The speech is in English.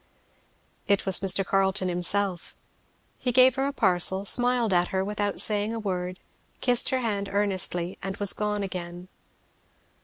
It was Mr. Carleton himself. He gave her a parcel, smiled at her without saying a word, kissed her hand earnestly, and was gone again.